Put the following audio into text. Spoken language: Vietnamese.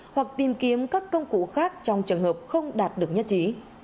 hoặc tìm kiếm các công cụ khác trong trường hợp không đạt được nhất trí